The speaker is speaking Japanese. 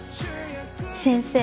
先生